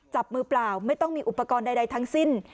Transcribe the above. จับมือเปล่าไม่ต้องมีอุปกรณ์ใดทั้งสิ้น